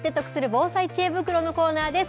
防災知恵袋のコーナーです。